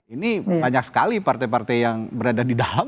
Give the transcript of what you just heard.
ini banyak sekali partai partai yang berada di dalam